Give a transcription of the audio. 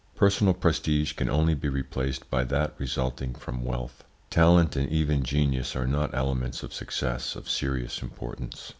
Personal prestige can only be replaced by that resulting from wealth. Talent and even genius are not elements of success of serious importance.